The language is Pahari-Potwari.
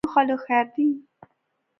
ہاں خالق خیر دی